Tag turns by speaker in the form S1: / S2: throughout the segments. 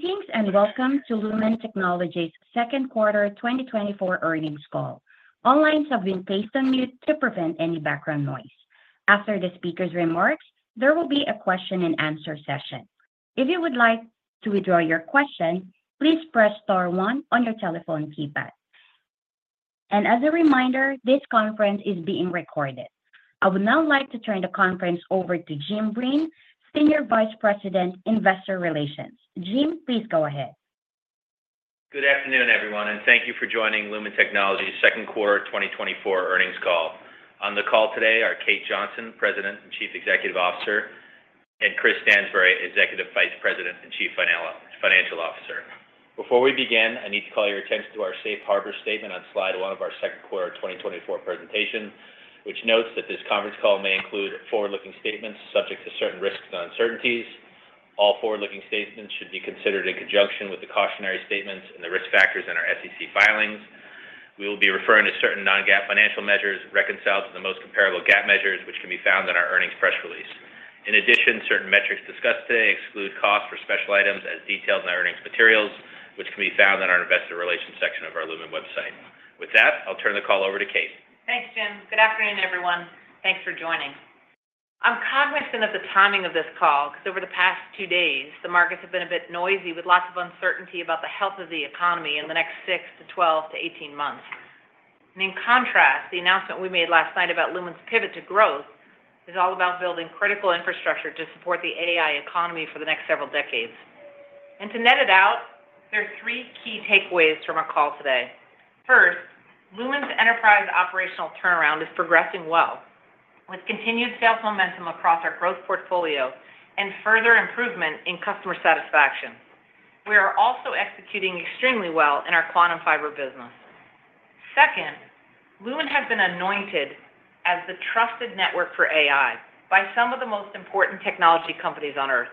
S1: Greetings, and welcome to Lumen Technologies' second quarter 2024 earnings call. All lines have been placed on mute to prevent any background noise. After the speaker's remarks, there will be a question and answer session. If you would like to withdraw your question, please press star one on your telephone keypad. As a reminder, this conference is being recorded. I would now like to turn the conference over to Jim Breen, Senior Vice President, Investor Relations. Jim, please go ahead.
S2: Good afternoon, everyone, and thank you for joining Lumen Technologies second quarter 2024 earnings call. On the call today are Kate Johnson, President and Chief Executive Officer, and Chris Stansbury, Executive Vice President and Chief Financial Officer. Before we begin, I need to call your attention to our Safe Harbor statement on slide one of our second quarter 2024 presentation, which notes that this conference call may include forward-looking statements subject to certain risks and uncertainties. All forward-looking statements should be considered in conjunction with the cautionary statements and the risk factors in our SEC filings. We will be referring to certain non-GAAP financial measures, reconciled to the most comparable GAAP measures, which can be found in our earnings press release. In addition, certain metrics discussed today exclude costs for special items as detailed in our earnings materials, which can be found on our investor relations section of our Lumen website. With that, I'll turn the call over to Kate.
S3: Thanks, Jim. Good afternoon, everyone. Thanks for joining. I'm cognizant of the timing of this call, because over the past two days, the markets have been a bit noisy, with lots of uncertainty about the health of the economy in the next six-12-18 months. In contrast, the announcement we made last night about Lumen's pivot to growth is all about building critical infrastructure to support the AI economy for the next several decades. To net it out, there are three key takeaways from our call today. First, Lumen's enterprise operational turnaround is progressing well, with continued sales momentum across our growth portfolio and further improvement in customer satisfaction. We are also executing extremely well in our Quantum Fiber business. Second, Lumen has been anointed as the trusted network for AI by some of the most important technology companies on Earth.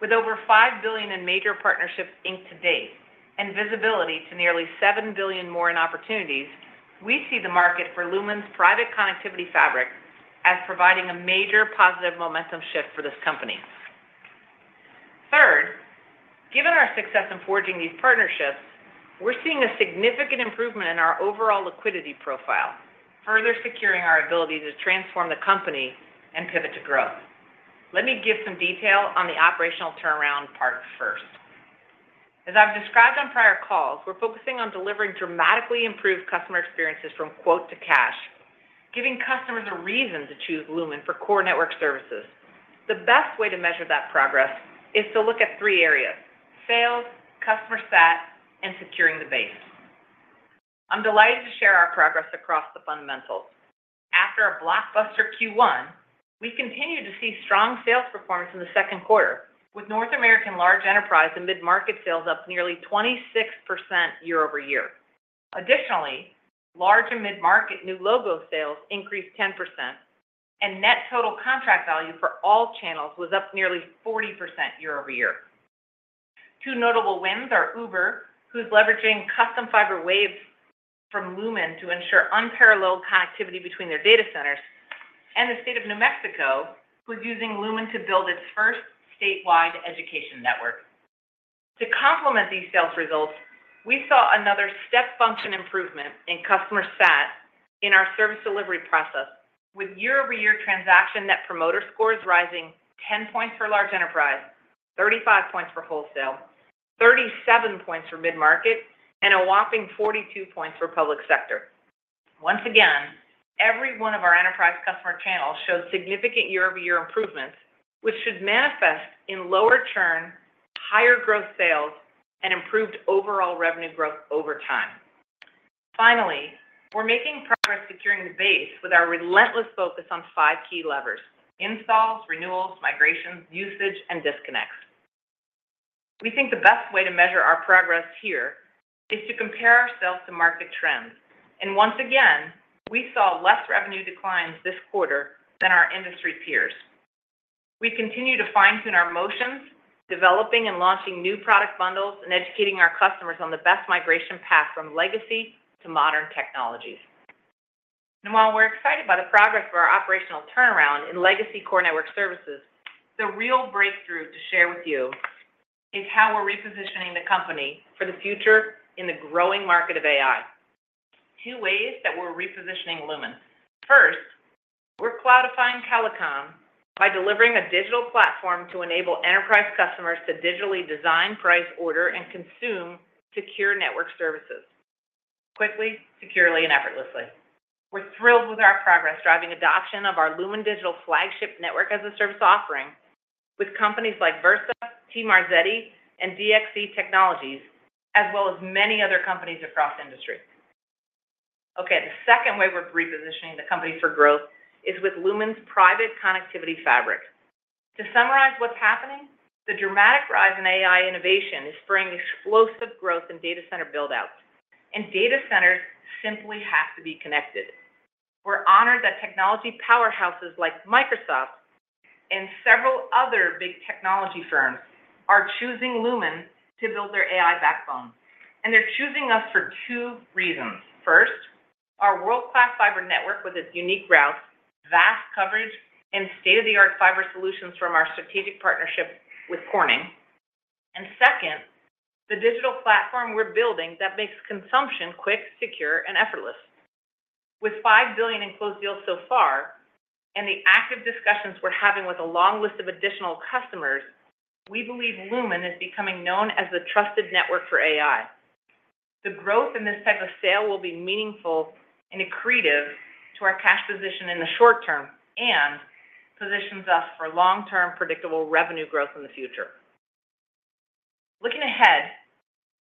S3: With over $5 billion in major partnerships inked to date and visibility to nearly $7 billion more in opportunities, we see the market for Lumen's Private Connectivity Fabric as providing a major positive momentum shift for this company. Third, given our success in forging these partnerships, we're seeing a significant improvement in our overall liquidity profile, further securing our ability to transform the company and pivot to growth. Let me give some detail on the operational turnaround part first. As I've described on prior calls, we're focusing on delivering dramatically improved customer experiences from Quote to Cash, giving customers a reason to choose Lumen for core network services. The best way to measure that progress is to look at three areas: sales, customer sat, and securing the base. I'm delighted to share our progress across the fundamentals. After a blockbuster Q1, we continued to see strong sales performance in the second quarter, with North American large enterprise and mid-market sales up nearly 26% year-over-year. Additionally, large and mid-market new logo sales increased 10%, and net total contract value for all channels was up nearly 40% year-over-year. Two notable wins are Uber, who's leveraging custom fiber waves from Lumen to ensure unparalleled connectivity between their data centers, and the State of New Mexico, who's using Lumen to build its first statewide education network. To complement these sales results, we saw another step function improvement in customer sat in our service delivery process, with year-over-year transaction Net Promoter Scores rising 10 points for large enterprise, 35 points for wholesale, 37 points for mid-market, and a whopping 42 points for public sector. Once again, every one of our enterprise customer channels showed significant year-over-year improvements, which should manifest in lower churn, higher growth sales, and improved overall revenue growth over time. Finally, we're making progress securing the base with our relentless focus on five key levers: installs, renewals, migrations, usage, and disconnects. We think the best way to measure our progress here is to compare ourselves to market trends, and once again, we saw less revenue declines this quarter than our industry peers. We continue to fine-tune our motions, developing and launching new product bundles and educating our customers on the best migration path from legacy to modern technologies. And while we're excited about the progress of our operational turnaround in legacy core network services, the real breakthrough to share with you is how we're repositioning the company for the future in the growing market of AI. Two ways that we're repositioning Lumen. First, we're cloudifying telecom by delivering a digital platform to enable enterprise customers to digitally design, price, order, and consume secure network services quickly, securely, and effortlessly. We're thrilled with our progress driving adoption of our Lumen Digital flagship network as a service offering with companies like Versa, T. Marzetti, and DXC Technologies, as well as many other companies across industry. Okay, the second way we're repositioning the company for growth is with Lumen's private connectivity fabric. To summarize what's happening, the dramatic rise in AI innovation is spurring explosive growth in data center build-outs, and data centers simply have to be connected. We're honored that technology powerhouses like Microsoft and several other big technology firms are choosing Lumen to build their AI backbone, and they're choosing us for two reasons. First, our world-class fiber network with its unique routes, vast coverage, and state-of-the-art fiber solutions from our strategic partnership with Corning. And second, the digital platform we're building that makes consumption quick, secure, and effortless. With $5 billion in closed deals so far, and the active discussions we're having with a long list of additional customers, we believe Lumen is becoming known as the trusted network for AI. The growth in this type of sale will be meaningful and accretive to our cash position in the short term, and positions us for long-term predictable revenue growth in the future. Looking ahead,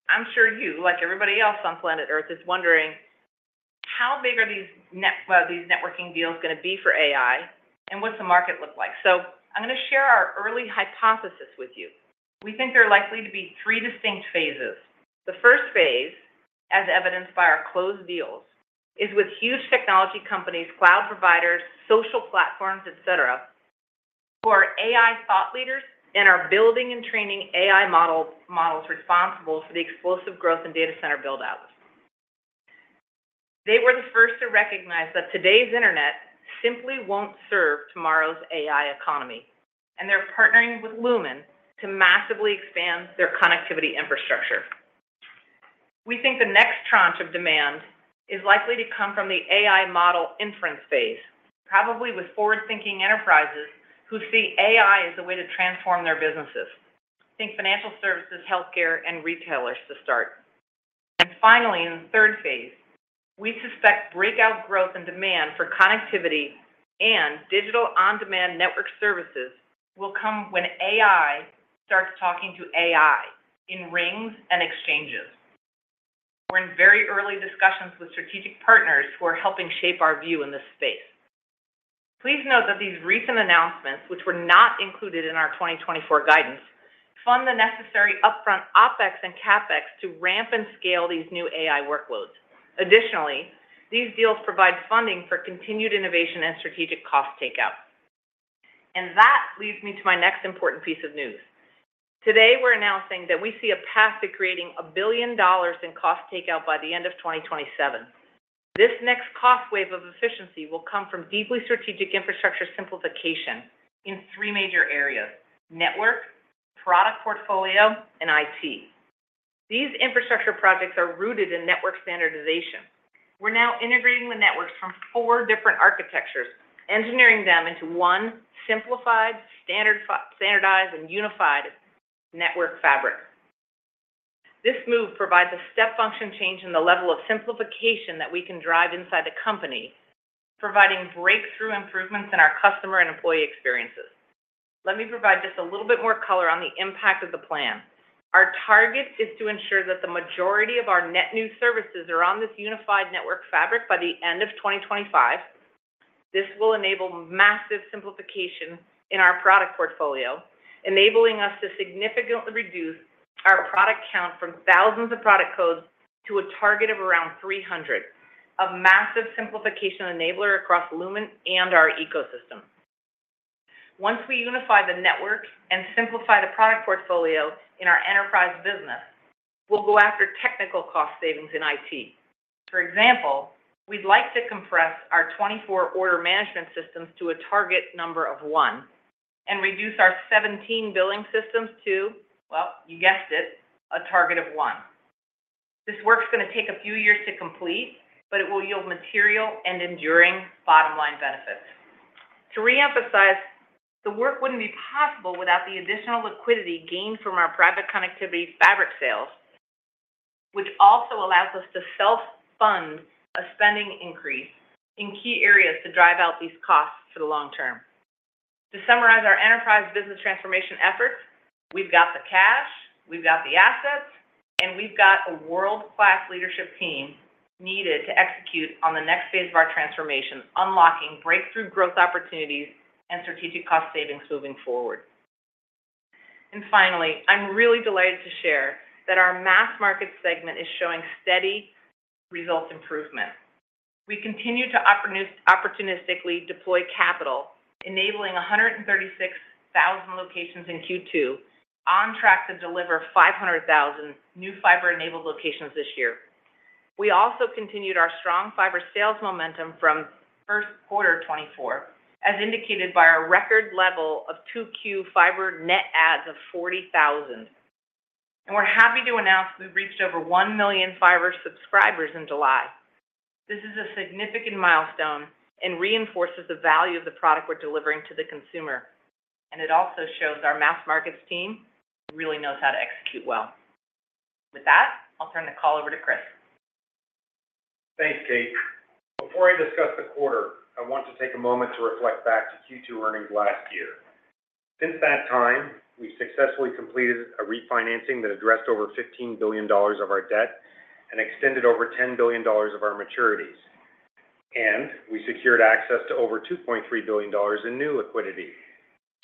S3: I'm sure you, like everybody else on planet Earth, is wondering, how big are these net, these networking deals gonna be for AI, and what's the market look like? So I'm gonna share our early hypothesis with you. We think there are likely to be three distinct phases. The first phase, as evidenced by our closed deals, is with huge technology companies, cloud providers, social platforms, et cetera, who are AI thought leaders and are building and training AI model, models responsible for the explosive growth in data center build-outs. They were the first to recognize that today's internet simply won't serve tomorrow's AI economy, and they're partnering with Lumen to massively expand their connectivity infrastructure. We think the next tranche of demand is likely to come from the AI model inference phase, probably with forward-thinking enterprises who see AI as a way to transform their businesses. Think financial services, healthcare, and retailers to start. Finally, in the third phase, we suspect breakout growth and demand for connectivity and digital on-demand network services will come when AI starts talking to AI in rings and exchanges. We're in very early discussions with strategic partners who are helping shape our view in this space. Please note that these recent announcements, which were not included in our 2024 guidance, fund the necessary upfront OpEx and CapEx to ramp and scale these new AI workloads. Additionally, these deals provide funding for continued innovation and strategic cost takeout. That leads me to my next important piece of news. Today, we're announcing that we see a path to creating $1 billion in cost takeout by the end of 2027. This next cost wave of efficiency will come from deeply strategic infrastructure simplification in three major areas: network, product portfolio, and IT. These infrastructure projects are rooted in network standardization. We're now integrating the networks from four different architectures, engineering them into one simplified, standardized, and unified network fabric. This move provides a step function change in the level of simplification that we can drive inside the company, providing breakthrough improvements in our customer and employee experiences. Let me provide just a little bit more color on the impact of the plan. Our target is to ensure that the majority of our net new services are on this unified network fabric by the end of 2025. This will enable massive simplification in our product portfolio, enabling us to significantly reduce our product count from thousands of product codes to a target of around 300, a massive simplification enabler across Lumen and our ecosystem. Once we unify the network and simplify the product portfolio in our enterprise business, we'll go after technical cost savings in IT. For example, we'd like to compress our 24 order management systems to a target number of one and reduce our 17 billing systems to, well, you guessed it, a target of one. This work's gonna take a few years to complete, but it will yield material and enduring bottom-line benefits. To reemphasize, the work wouldn't be possible without the additional liquidity gained from our private connectivity fabric sales, which also allows us to self-fund a spending increase in key areas to drive out these costs for the long term. To summarize our enterprise business transformation efforts, we've got the cash, we've got the assets, and we've got a world-class leadership team needed to execute on the next phase of our transformation, unlocking breakthrough growth opportunities and strategic cost savings moving forward. Finally, I'm really delighted to share that our mass market segment is showing steady results improvement. We continue to opportunistically deploy capital, enabling 136,000 locations in Q2, on track to deliver 500,000 new fiber-enabled locations this year. We also continued our strong fiber sales momentum from first quarter 2024, as indicated by our record level of 2Q fiber net adds of 40,000. And we're happy to announce we've reached over 1 million fiber subscribers in July. This is a significant milestone and reinforces the value of the product we're delivering to the consumer, and it also shows our mass markets team really knows how to execute well. With that, I'll turn the call over to Chris.
S4: Thanks, Kate. Before I discuss the quarter, I want to take a moment to reflect back to Q2 earnings last year. Since that time, we successfully completed a refinancing that addressed over $15 billion of our debt and extended over $10 billion of our maturities, and we secured access to over $2.3 billion in new liquidity,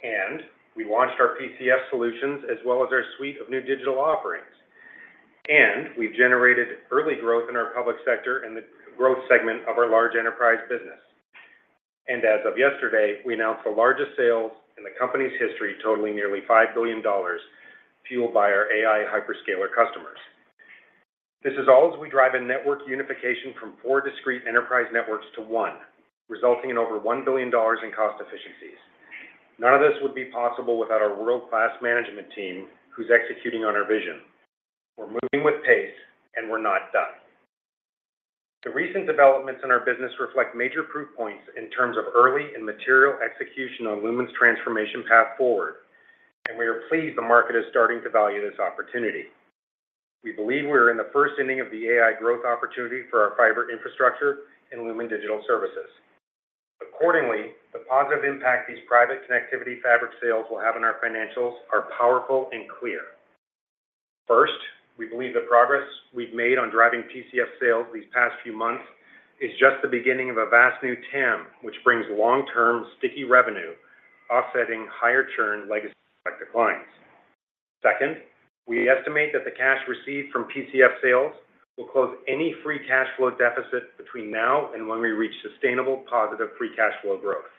S4: and we launched our PCS solutions, as well as our suite of new digital offerings, and we've generated early growth in our public sector and the growth segment of our large enterprise business... and as of yesterday, we announced the largest sales in the company's history, totaling nearly $5 billion, fueled by our AI hyperscaler customers. This is all as we drive a network unification from four discrete enterprise networks to one, resulting in over $1 billion in cost efficiencies. None of this would be possible without our world-class management team, who's executing on our vision. We're moving with pace, and we're not done. The recent developments in our business reflect major proof points in terms of early and material execution on Lumen's transformation path forward, and we are pleased the market is starting to value this opportunity. We believe we are in the first inning of the AI growth opportunity for our private infrastructure and Lumen Digital Services. Accordingly, the positive impact these Private Connectivity Fabric sales will have on our financials are powerful and clear. First, we believe the progress we've made on driving PCF sales these past few months is just the beginning of a vast new TAM, which brings long-term sticky revenue, offsetting higher churn legacy declines. Second, we estimate that the cash received from PCF sales will close any free cash flow deficit between now and when we reach sustainable positive free cash flow growth.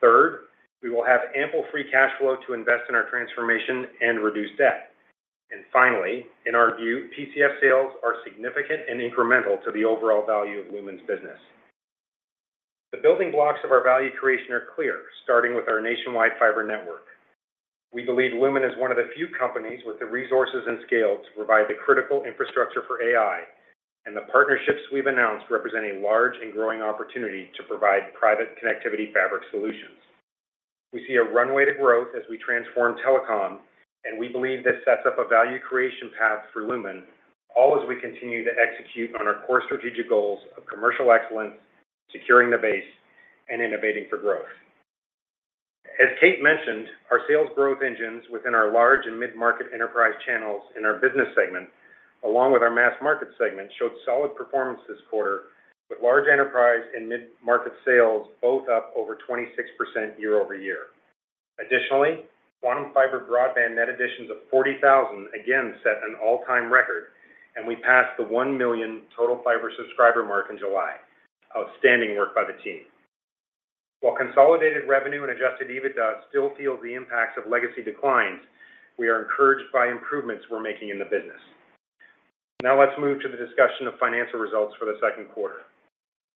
S4: Third, we will have ample free cash flow to invest in our transformation and reduce debt. And finally, in our view, PCF sales are significant and incremental to the overall value of Lumen's business. The building blocks of our value creation are clear, starting with our nationwide fiber network. We believe Lumen is one of the few companies with the resources and scale to provide the critical infrastructure for AI, and the partnerships we've announced represent a large and growing opportunity to provide private connectivity fabric solutions. We see a runway to growth as we transform telecom, and we believe this sets up a value creation path for Lumen, all as we continue to execute on our core strategic goals of commercial excellence, securing the base, and innovating for growth. As Kate mentioned, our sales growth engines within our large and mid-market enterprise channels in our business segment, along with our mass market segment, showed solid performance this quarter, with large enterprise and mid-market sales both up over 26% year-over-year. Additionally, Quantum Fiber broadband net additions of 40,000 again set an all-time record, and we passed the 1 million total fiber subscriber mark in July. Outstanding work by the team. While consolidated revenue and adjusted EBITDA still feel the impacts of legacy declines, we are encouraged by improvements we're making in the business. Now let's move to the discussion of financial results for the second quarter.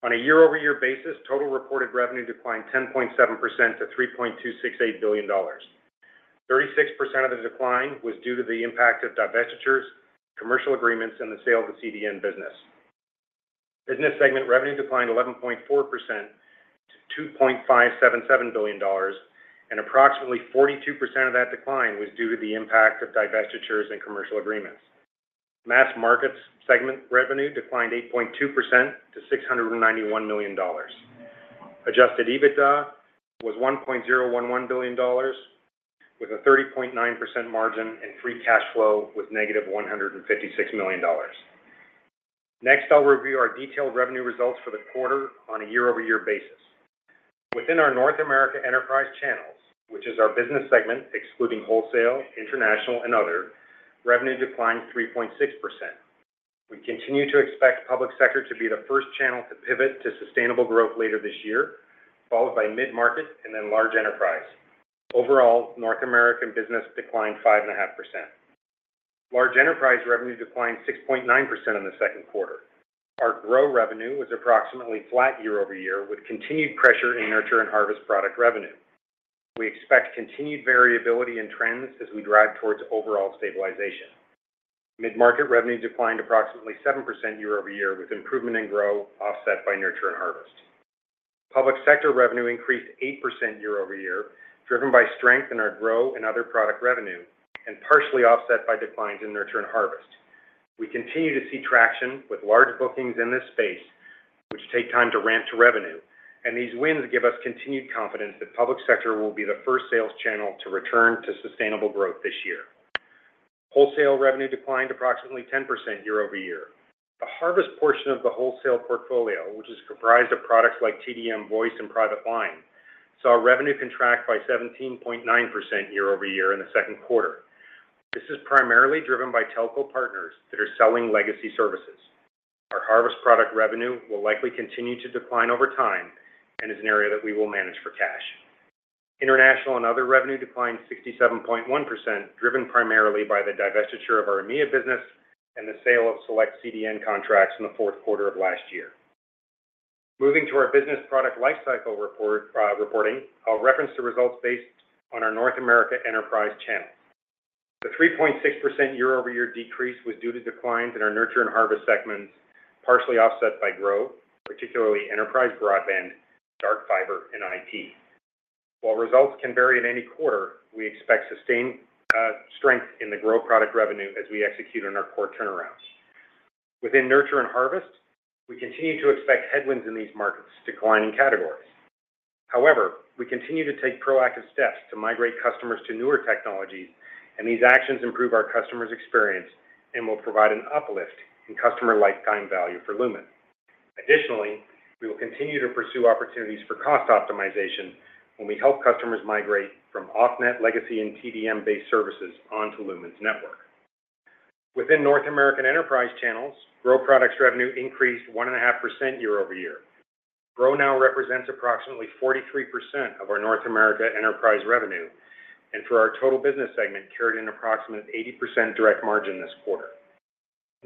S4: On a year-over-year basis, total reported revenue declined 10.7% to $3.268 billion. 36% of the decline was due to the impact of divestitures, commercial agreements, and the sale of the CDN business. Business segment revenue declined 11.4% to $2.57 billion, and approximately 42% of that decline was due to the impact of divestitures and commercial agreements. Mass markets segment revenue declined 8.2% to $691 million. Adjusted EBITDA was $1.011 billion, with a 30.9% margin and free cash flow was -$156 million. Next, I'll review our detailed revenue results for the quarter on a year-over-year basis. Within our North America enterprise channels, which is our business segment, excluding wholesale, international, and other, revenue declined 3.6%. We continue to expect public sector to be the first channel to pivot to sustainable growth later this year, followed by mid-market and then large enterprise. Overall, North American business declined 5.5%. Large enterprise revenue declined 6.9% in the second quarter. Our grow revenue was approximately flat year-over-year, with continued pressure in nurture and harvest product revenue. We expect continued variability in trends as we drive towards overall stabilization. Mid-market revenue declined approximately 7% year-over-year, with improvement in growth offset by nurture and harvest. Public sector revenue increased 8% year-over-year, driven by strength in our grow and other product revenue, and partially offset by declines in nurture and harvest. We continue to see traction with large bookings in this space, which take time to ramp to revenue, and these wins give us continued confidence that public sector will be the first sales channel to return to sustainable growth this year. Wholesale revenue declined approximately 10% year-over-year. The harvest portion of the wholesale portfolio, which is comprised of products like TDM Voice and Private Line, saw revenue contract by 17.9% year-over-year in the second quarter. This is primarily driven by telco partners that are selling legacy services. Our harvest product revenue will likely continue to decline over time and is an area that we will manage for cash. International and other revenue declined 67.1%, driven primarily by the divestiture of our EMEA business and the sale of select CDN contracts in the fourth quarter of last year. Moving to our business product lifecycle report, reporting, I'll reference the results based on our North America enterprise channels. The 3.6% year-over-year decrease was due to declines in our Nurture and Harvest segments, partially offset by growth, particularly enterprise broadband, Dark Fiber, and IT. While results can vary in any quarter, we expect sustained strength in the growth product revenue as we execute on our core turnarounds. Within Nurture and Harvest, we continue to expect headwinds in these markets, declining categories. However, we continue to take proactive steps to migrate customers to newer technologies, and these actions improve our customers' experience and will provide an uplift in customer lifetime value for Lumen. Additionally, we will continue to pursue opportunities for cost optimization when we help customers migrate from off-net legacy and TDM-based services onto Lumen's network. Within North American enterprise channels, Grow products revenue increased 1.5% year-over-year. Grow now represents approximately 43% of our North America enterprise revenue, and for our total business segment, carried an approximate 80% direct margin this quarter.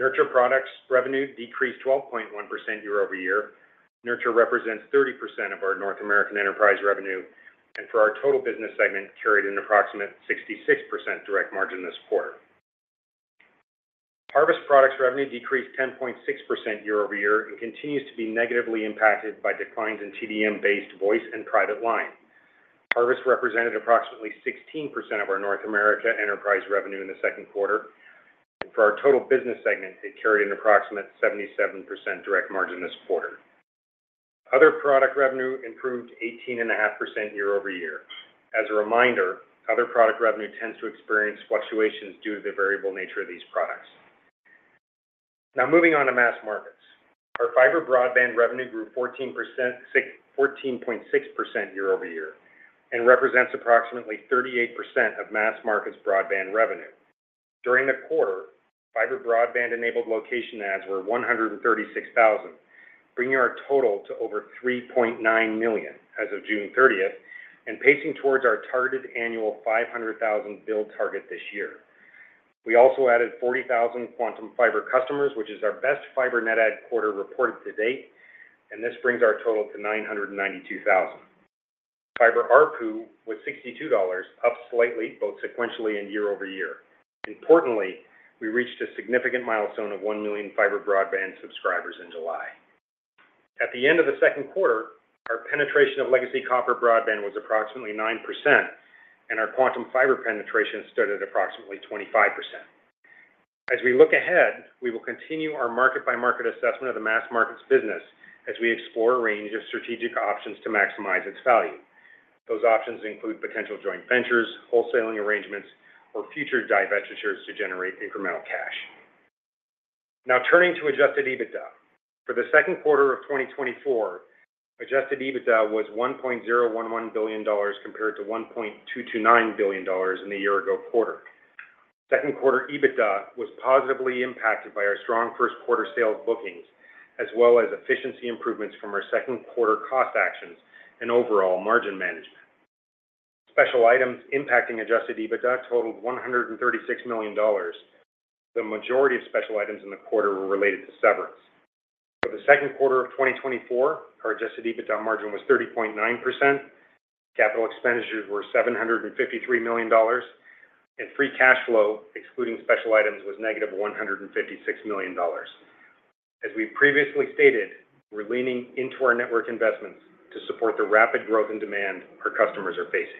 S4: Nurture products revenue decreased 12.1% year-over-year. Nurture represents 30% of our North American enterprise revenue, and for our total business segment, carried an approximate 66% direct margin this quarter. Harvest products revenue decreased 10.6% year-over-year and continues to be negatively impacted by declines in TDM-based voice and private line. Harvest represented approximately 16% of our North America enterprise revenue in the second quarter, and for our total business segment, it carried an approximate 77% direct margin this quarter. Other product revenue improved 18.5% year-over-year. As a reminder, other product revenue tends to experience fluctuations due to the variable nature of these products. Now, moving on to mass markets. Our fiber broadband revenue grew 14%, 14.6% year-over-year and represents approximately 38% of mass markets broadband revenue. During the quarter, fiber broadband-enabled location adds were 136,000, bringing our total to over 3.9 million as of June 30th, and pacing towards our targeted annual 500,000 build target this year. We also added 40,000 Quantum Fiber customers, which is our best fiber net add quarter reported to date, and this brings our total to 992,000. Fiber ARPU was $62, up slightly, both sequentially and year-over-year. Importantly, we reached a significant milestone of 1 million fiber broadband subscribers in July. At the end of the second quarter, our penetration of legacy copper broadband was approximately 9%, and our Quantum Fiber penetration stood at approximately 25%. As we look ahead, we will continue our market-by-market assessment of the mass markets business as we explore a range of strategic options to maximize its value. Those options include potential joint ventures, wholesaling arrangements, or future divestitures to generate incremental cash. Now turning to adjusted EBITDA. For the second quarter of 2024, adjusted EBITDA was $1.011 billion, compared to $1.229 billion in the year ago quarter. Second quarter EBITDA was positively impacted by our strong first quarter sales bookings, as well as efficiency improvements from our second quarter cost actions and overall margin management. Special items impacting adjusted EBITDA totaled $136 million. The majority of special items in the quarter were related to severance. For the second quarter of 2024, our adjusted EBITDA margin was 30.9%. Capital expenditures were $753 million, and free cash flow, excluding special items, was -$156 million. As we previously stated, we're leaning into our network investments to support the rapid growth and demand our customers are facing.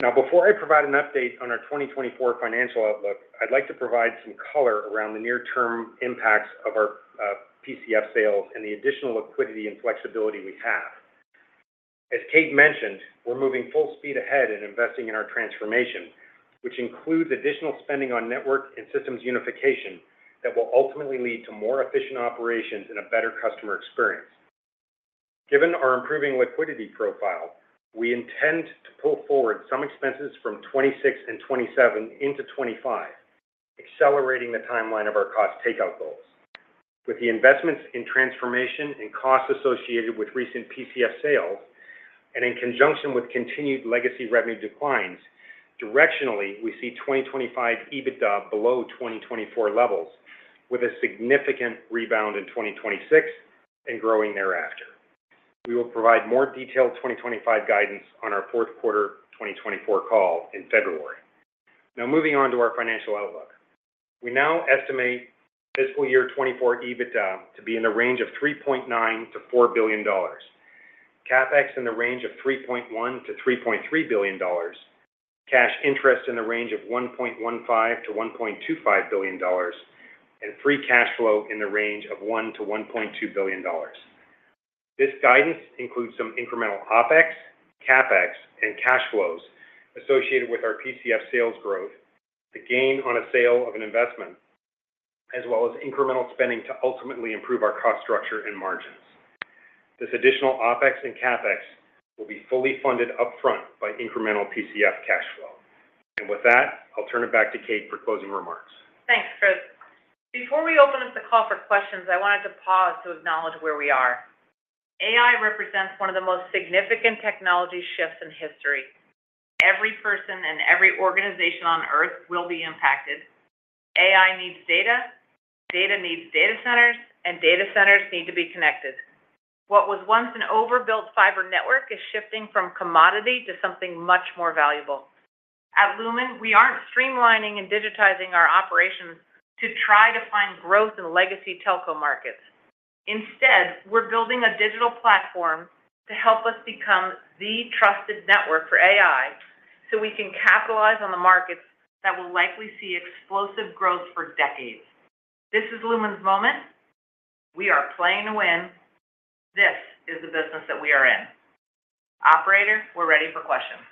S4: Now, before I provide an update on our 2024 financial outlook, I'd like to provide some color around the near-term impacts of our PCF sales and the additional liquidity and flexibility we have. As Kate mentioned, we're moving full speed ahead in investing in our transformation, which includes additional spending on network and systems unification that will ultimately lead to more efficient operations and a better customer experience. Given our improving liquidity profile, we intend to pull forward some expenses from 2026 and 2027 into 2025, accelerating the timeline of our cost takeout goals. With the investments in transformation and costs associated with recent PCF sales, and in conjunction with continued legacy revenue declines, directionally, we see 2025 EBITDA below 2024 levels, with a significant rebound in 2026 and growing thereafter. We will provide more detailed 2025 guidance on our fourth quarter 2024 call in February. Now, moving on to our financial outlook. We now estimate fiscal year 2024 EBITDA to be in the range of $3.9 billion-$4 billion, CapEx in the range of $3.1 billion-$3.3 billion, cash interest in the range of $1.15 billion-$1.25 billion, and free cash flow in the range of $1 billion-$1.2 billion. This guidance includes some incremental OpEx, CapEx, and cash flows associated with our PCF sales growth, the gain on a sale of an investment, as well as incremental spending to ultimately improve our cost structure and margins. This additional OpEx and CapEx will be fully funded upfront by incremental PCF cash flow. And with that, I'll turn it back to Kate for closing remarks.
S3: Thanks, Chris. Before we open up the call for questions, I wanted to pause to acknowledge where we are. AI represents one of the most significant technology shifts in history. Every person and every organization on Earth will be impacted. AI needs data, data needs data centers, and data centers need to be connected. What was once an overbuilt fiber network is shifting from commodity to something much more valuable. At Lumen, we aren't streamlining and digitizing our operations to try to find growth in legacy telco markets. Instead, we're building a digital platform to help us become the trusted network for AI, so we can capitalize on the markets that will likely see explosive growth for decades. This is Lumen's moment. We are playing to win. This is the business that we are in. Operator, we're ready for questions.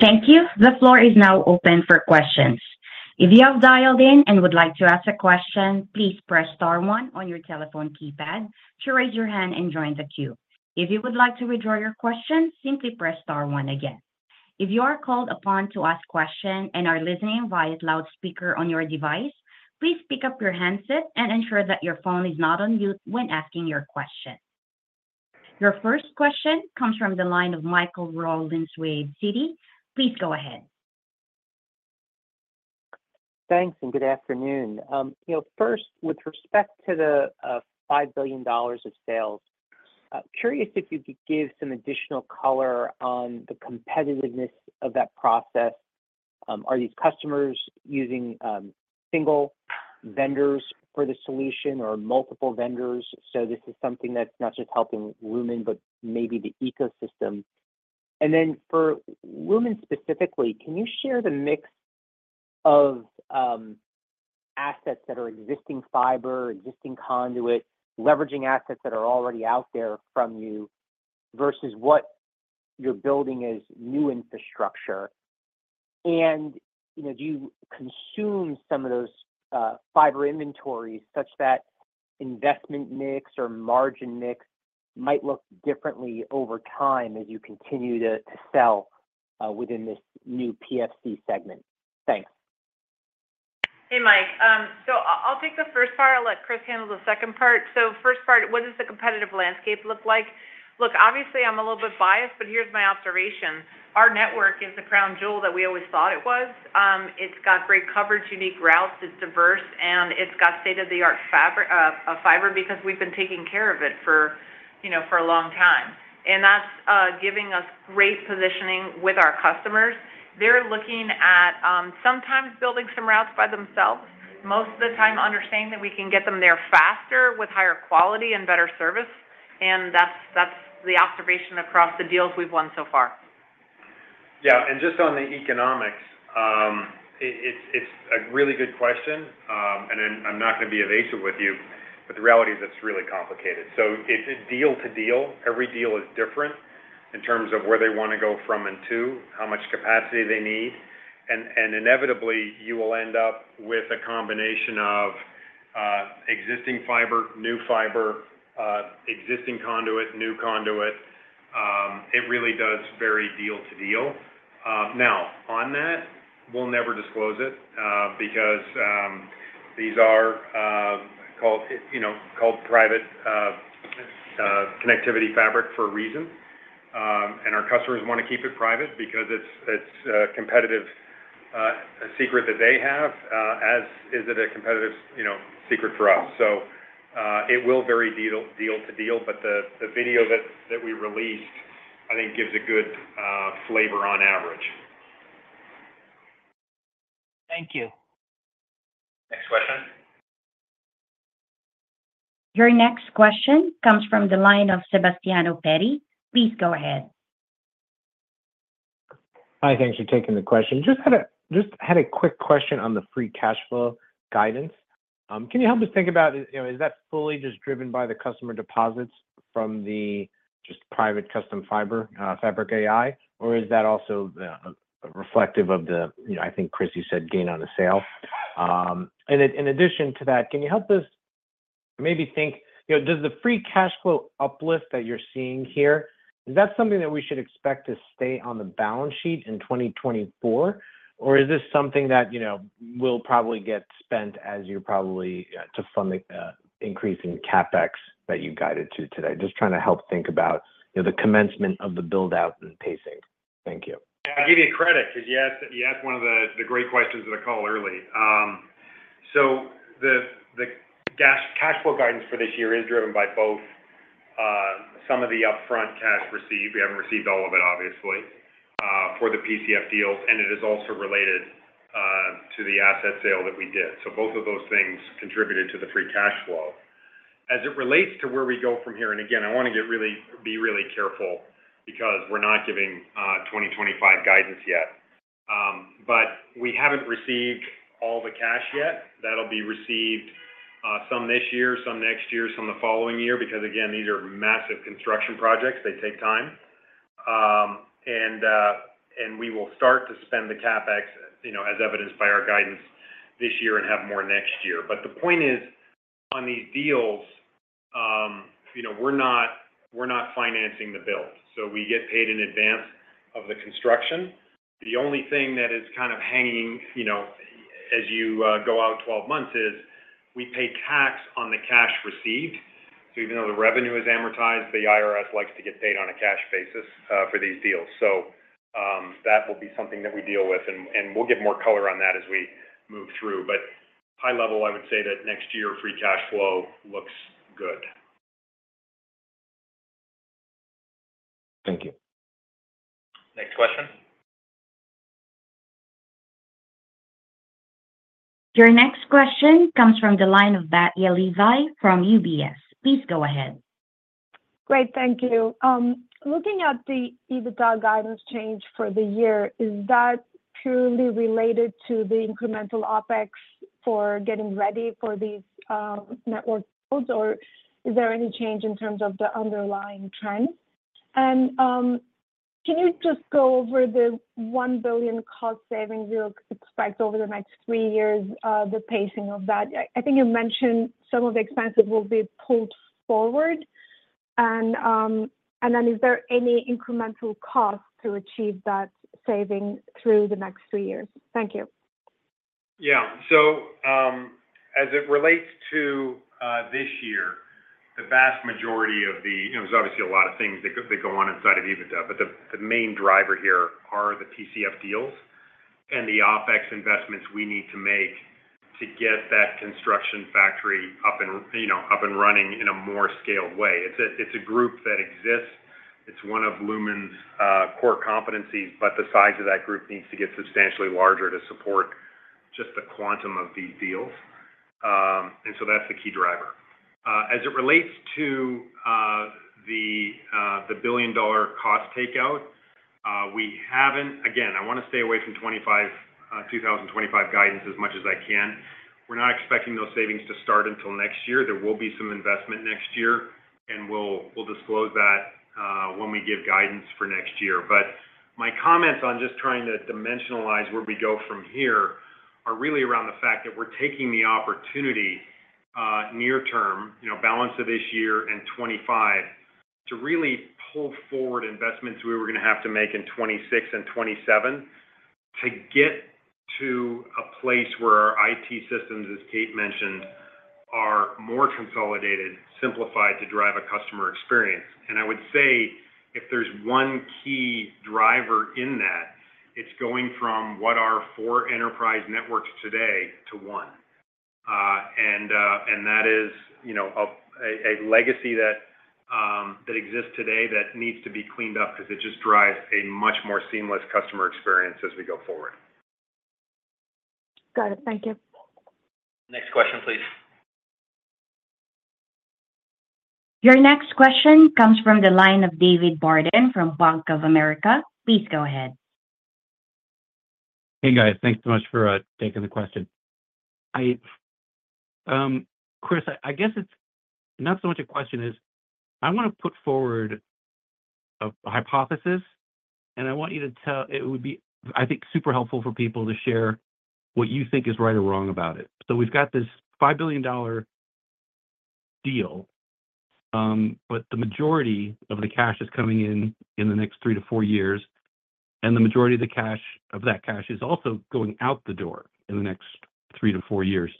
S1: Thank you. The floor is now open for questions. If you have dialed in and would like to ask a question, please press star one on your telephone keypad to raise your hand and join the queue. If you would like to withdraw your question, simply press star one again. If you are called upon to ask question and are listening via loudspeaker on your device, please pick up your handset and ensure that your phone is not on mute when asking your question. Your first question comes from the line of Michael Rollins, Citi. Please go ahead.
S5: Thanks, and good afternoon. You know, first, with respect to the $5 billion of sales, curious if you could give some additional color on the competitiveness of that process. Are these customers using single vendors for the solution or multiple vendors? So this is something that's not just helping Lumen, but maybe the ecosystem. And then for Lumen specifically, can you share the mix of assets that are existing fiber, existing conduit, leveraging assets that are already out there from you versus what you're building as new infrastructure? And, you know, do you consume some of those fiber inventories such that investment mix or margin mix might look differently over time as you continue to sell within this new PCF segment? Thanks.
S3: Hey, Mike. So I'll take the first part. I'll let Chris handle the second part. So first part, what does the competitive landscape look like? Look, obviously, I'm a little bit biased, but here's my observation. Our network is the crown jewel that we always thought it was. It's got great coverage, unique routes, it's diverse, and it's got state-of-the-art fabric, fiber because we've been taking care of it for, you know, for a long time. And that's giving us great positioning with our customers. They're looking at, sometimes building some routes by themselves, most of the time understanding that we can get them there faster with higher quality and better service, and that's the observation across the deals we've won so far.
S4: Yeah, and just on the economics, it's a really good question. I'm not going to be evasive with you, but the reality is it's really complicated. So it's a deal to deal. Every deal is different in terms of where they want to go from and to, how much capacity they need. And inevitably, you will end up with a combination of existing fiber, new fiber, existing conduit, new conduit. It really does vary deal to deal. Now, on that, we'll never disclose it because these are called, you know, called Private Connectivity Fabric for a reason. And our customers want to keep it private because it's a competitive secret that they have, as it is a competitive, you know, secret for us. So, it will vary deal to deal, but the video that we released, I think, gives a good flavor on average.
S5: Thank you.
S2: Next question.
S1: Your next question comes from the line of Sebastiano Petti. Please go ahead.
S6: Hi, thanks for taking the question. Just had a quick question on the free cash flow guidance. Can you help us think about, you know, is that fully just driven by the customer deposits from the just private custom fiber fabric AI? Or is that also the reflective of the, you know, I think, Chris, you said, gain on a sale? And in addition to that, can you help us maybe think, you know, does the free cash flow uplift that you're seeing here, is that something that we should expect to stay on the balance sheet in 2024? Or is this something that, you know, will probably get spent as you're probably to fund the increase in CapEx that you guided to today? Just trying to help think about, you know, the commencement of the build-out and pacing. Thank you.
S4: I'll give you credit because you asked one of the great questions on the call early. So the cash flow guidance for this year is driven by both some of the upfront cash received. We haven't received all of it, obviously, for the PCF deals, and it is also related to the asset sale that we did. So both of those things contributed to the free cash flow. As it relates to where we go from here, and again, I want to get really, be really careful because we're not giving 2025 guidance yet. But we haven't received all the cash yet. That'll be received some this year, some next year, some the following year, because again, these are massive construction projects. They take time. And we will start to spend the CapEx, you know, as evidenced by our guidance this year and have more next year. But the point is, on these deals, you know, we're not financing the build, so we get paid in advance of the construction. The only thing that is hanging, you know, as you go out 12 months, is we pay tax on the cash received. So even though the revenue is amortized, the IRS likes to get paid on a cash basis for these deals. So that will be something that we deal with, and we'll give more color on that as we move through. But high level, I would say that next year, free cash flow looks good.
S6: Thank you.
S2: Next question.
S1: Your next question comes from the line of Batya Levi from UBS. Please go ahead.
S7: Great, thank you. Looking at the EBITDA guidance change for the year, is that truly related to the incremental OpEx for getting ready for these network builds? Or is there any change in terms of the underlying trends? Can you just go over the $1 billion cost savings you expect over the next three years, the pacing of that? I think you mentioned some of the expenses will be pulled forward. And, and then is there any incremental cost to achieve that saving through the next three years? Thank you.
S4: Yeah. So, as it relates to this year, the vast majority of the. There's obviously a lot of things that go on inside of EBITDA, but the main driver here are the PCF deals and the OpEx investments we need to make to get that construction factory up and, you know, up and running in a more scaled way. It's a group that exists. It's one of Lumen's core competencies, but the size of that group needs to get substantially larger to support just the quantum of these deals. And so that's the key driver. As it relates to the billion-dollar cost takeout, we haven't. Again, I want to stay away from 2025 guidance as much as I can. We're not expecting those savings to start until next year. There will be some investment next year, and we'll disclose that when we give guidance for next year. But my comments on just trying to dimensionalize where we go from here are really around the fact that we're taking the opportunity, near term, you know, balance of this year and 2025, to really pull forward investments we were going to have to make in 2026 and 2027, to get to a place where our IT systems, as Kate mentioned, are more consolidated, simplified to drive a customer experience. And I would say, if there's one key driver in that, it's going from what are four enterprise networks today to one. And that is, you know, a legacy that exists today that needs to be cleaned up because it just drives a much more seamless customer experience as we go forward.
S7: Got it. Thank you.
S2: Next question, please.
S1: Your next question comes from the line of David Barden from Bank of America. Please go ahead.
S8: Hey, guys. Thanks so much for taking the question. Chris, I guess it's not so much a question. I want to put forward a hypothesis, and I want you to tell... It would be, I think, super helpful for people to share what you think is right or wrong about it. So we've got this $5 billion deal, but the majority of the cash is coming in in the next three-four years, and the majority of the cash, of that cash, is also going out the door in the next three-four years.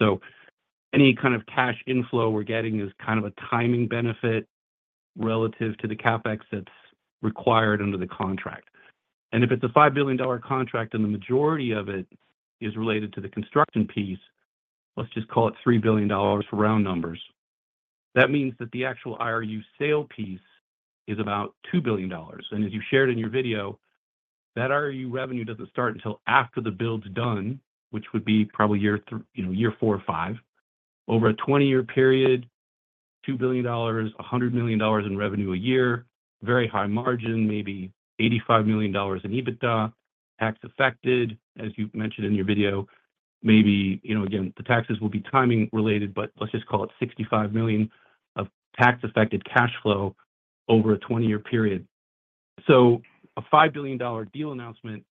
S8: So any kind of cash inflow we're getting is kind of a timing benefit relative to the CapEx that's required under the contract. And if it's a $5 billion contract and the majority of it is related to the construction piece, let's just call it $3 billion for round numbers. That means that the actual IRU sale piece is about $2 billion. And as you shared in your video, that IRU revenue doesn't start until after the build's done, which would be probably year 3, you know, year 4 or 5. Over a 20-year period, $2 billion, $100 million in revenue a year, very high margin, maybe $85 million in EBITDA, tax affected, as you mentioned in your video. Maybe, you know, again, the taxes will be timing related, but let's just call it $65 million of tax-affected cash flow over a 20-year period. So a $5 billion deal announcement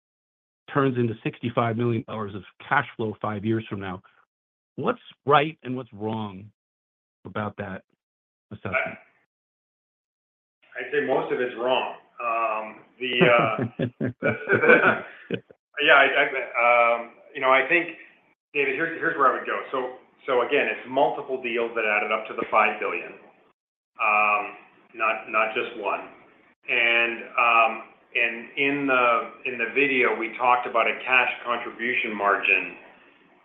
S8: turns into $65 million of cash flow five years from now. What's right and what's wrong about that assessment?
S4: I'd say most of it's wrong. Yeah, I think, David, here's where I would go. So again, it's multiple deals that added up to the $5 billion, not just one. And in the video, we talked about a Cash Contribution Margin,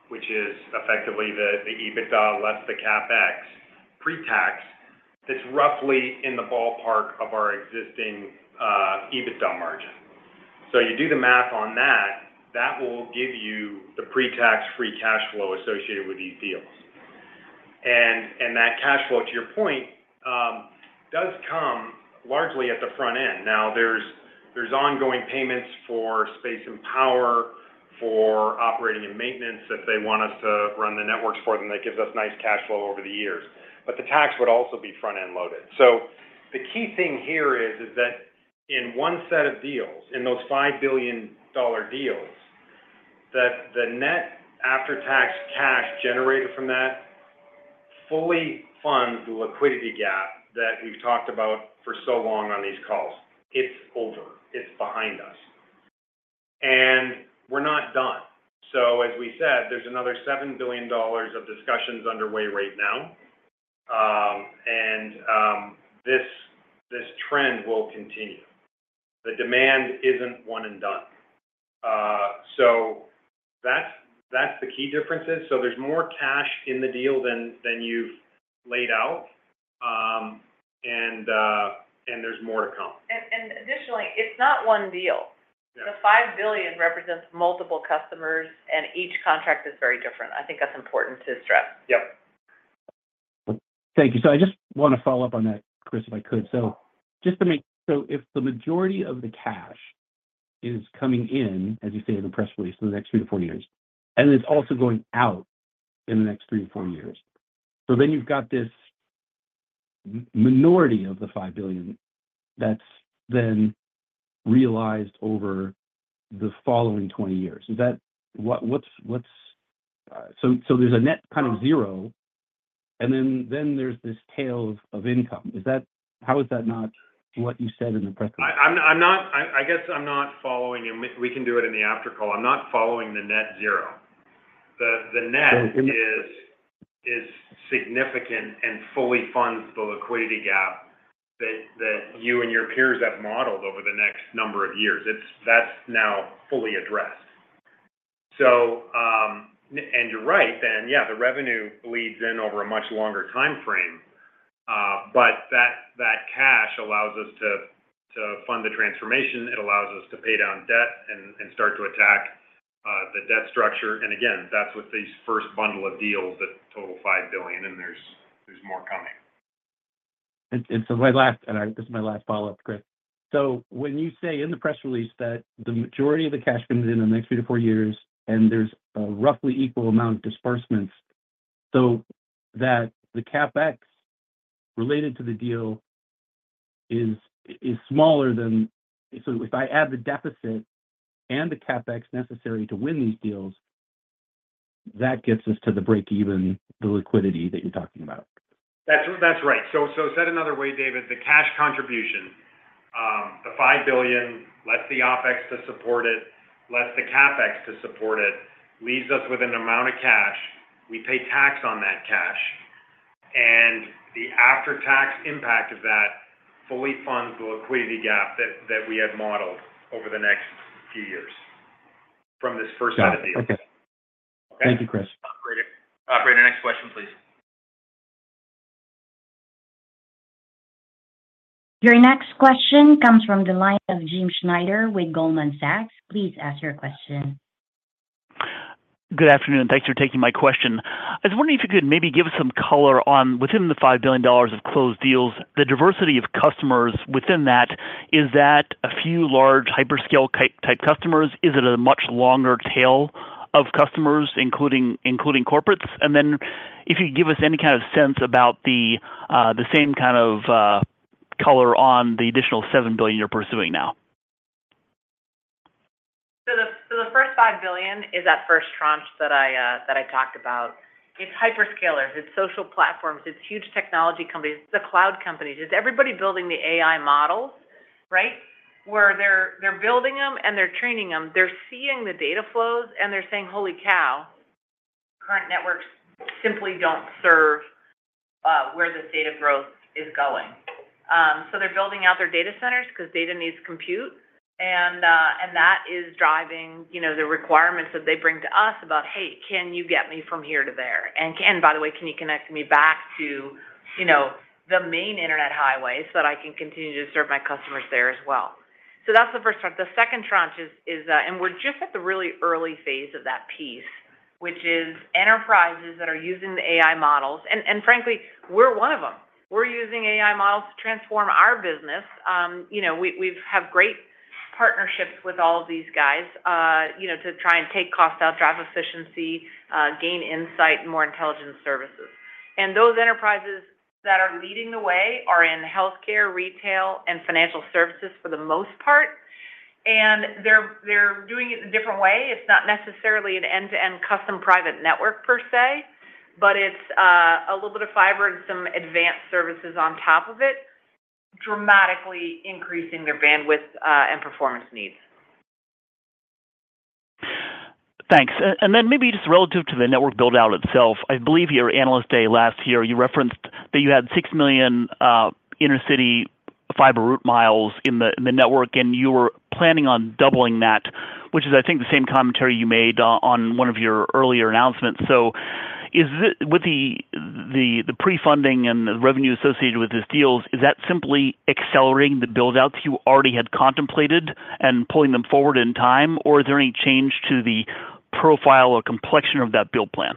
S4: which is effectively the EBITDA less the CapEx pre-tax. That's roughly in the ballpark of our existing EBITDA margin. So you do the math on that, that will give you the pre-tax free cash flow associated with these deals. And that cash flow, to your point, does come largely at the front end. Now, there's ongoing payments for space and power, for operating and maintenance. If they want us to run the networks for them, that gives us nice cash flow over the years, but the tax would also be front-end loaded. So the key thing here is that in one set of deals, in those $5 billion deals, that the net after-tax cash generated from that fully funds the liquidity gap that we've talked about for so long on these calls. It's over, it's behind us. And we're not done. So as we said, there's another $7 billion of discussions underway right now, and this trend will continue. The demand isn't one and done. So that's the key differences. So there's more cash in the deal than you've laid out, and there's more to come.
S3: Additionally, it's not one deal.
S8: Yeah.
S3: The $5 billion represents multiple customers, and each contract is very different. I think that's important to stress.
S8: Yep. Thank you. So I just want to follow up on that, Chris, if I could. So just to make... So if the majority of the cash is coming in, as you say in the press release, in the next three-four years, and it's also going out in the next three-four years, so then you've got this... minority of the $5 billion that's then realized over the following 20 years. Is that what, what's, what's, so, so there's a net kind of zero, and then, then there's this tail of, of income. Is that? How is that not what you said in the press release?
S4: I guess I'm not following you. We can do it in the after call. I'm not following the net zero. The net is significant and fully funds the liquidity gap that you and your peers have modeled over the next number of years. That's now fully addressed. So, and you're right, the revenue bleeds in over a much longer timeframe, but that cash allows us to fund the transformation. It allows us to pay down debt and start to attack the debt structure. And again, that's with these first bundle of deals that total $5 billion, and there's more coming.
S8: So this is my last follow-up, Chris. So when you say in the press release that the majority of the cash comes in the next three-four years, and there's a roughly equal amount of disbursements, so that the CapEx related to the deal is smaller than... So if I add the deficit and the CapEx necessary to win these deals, that gets us to the break-even, the liquidity that you're talking about.
S4: That's, that's right. So, so said another way, David, the cash contribution, the $5 billion, less the OpEx to support it, less the CapEx to support it, leaves us with an amount of cash. We pay tax on that cash, and the after-tax impact of that fully funds the liquidity gap that, that we have modeled over the next few years from this first set of deals.
S8: Got it. Okay.
S4: Okay?
S8: Thank you, Chris.
S2: Operator, next question, please.
S1: Your next question comes from the line of Jim Schneider with Goldman Sachs. Please ask your question.
S9: Good afternoon. Thanks for taking my question. I was wondering if you could maybe give us some color on, within the $5 billion of closed deals, the diversity of customers within that, is that a few large hyperscale type customers? Is it a much longer tail of customers, including corporates? And then if you could give us any kind of sense about the same kind of color on the additional $7 billion you're pursuing now.
S3: So the first $5 billion is that first tranche that I talked about. It's hyperscalers, it's social platforms, it's huge technology companies, it's the cloud companies. It's everybody building the AI models, right? Where they're building them and they're training them, they're seeing the data flows, and they're saying, "Holy cow, current networks simply don't serve where this data growth is going." So they're building out their data centers because data needs compute, and that is driving, you know, the requirements that they bring to us about, "Hey, can you get me from here to there? And can, by the way, can you connect me back to, you know, the main internet highway so that I can continue to serve my customers there as well?" So that's the first tranche. The second tranche is, and we're just at the really early phase of that piece, which is enterprises that are using the AI models. Frankly, we're one of them. We're using AI models to transform our business. You know, we have great partnerships with all of these guys, you know, to try and take costs out, drive efficiency, gain insight, and more intelligent services. And those enterprises that are leading the way are in healthcare, retail, and financial services for the most part, and they're doing it in a different way. It's not necessarily an end-to-end custom private network per se, but it's a little bit of fiber and some advanced services on top of it, dramatically increasing their bandwidth and performance needs.
S9: Thanks. And then maybe just relative to the network build-out itself, I believe your Analyst Day last year, you referenced that you had 6 million inner-city fiber route miles in the network, and you were planning on doubling that, which is, I think, the same commentary you made on one of your earlier announcements. So is it with the pre-funding and the revenue associated with these deals, is that simply accelerating the build-outs you already had contemplated and pulling them forward in time, or is there any change to the profile or complexion of that build plan?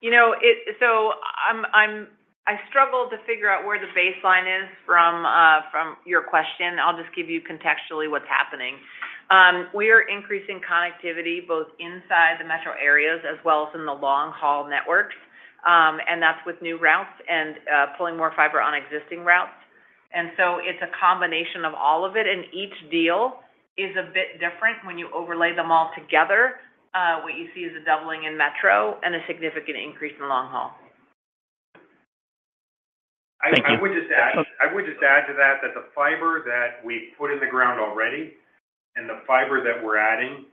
S3: You know, I struggled to figure out where the baseline is from your question. I'll just give you contextually what's happening. We are increasing connectivity both inside the metro areas as well as in the long-haul networks, and that's with new routes and pulling more fiber on existing routes. And so it's a combination of all of it, and each deal is a bit different. When you overlay them all together, what you see is a doubling in metro and a significant increase in long haul.
S9: Thank you.
S4: I would just add to that, that the fiber that we put in the ground already and the fiber that we're adding